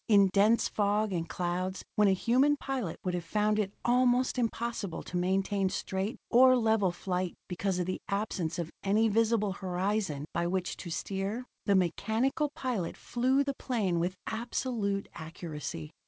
In dense fog and clouds, when a human pilot would have found it almost impossible to maintain straight or level flight because of the absence of any visible horizon by which to steer, the mechanical pilot flew the plane with absolute accuracy.